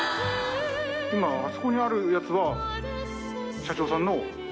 今あそこにあるやつは社長さんの持ち物。